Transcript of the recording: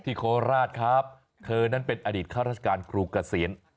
โคราชครับเธอนั้นเป็นอดีตข้าราชการครูเกษียณ